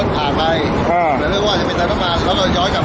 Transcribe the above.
ช่วยขึ้นเรือมาแล้วปลอดภัยครับปลอดภัย